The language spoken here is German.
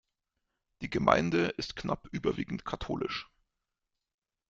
Die Gemeinde ist knapp überwiegend katholisch.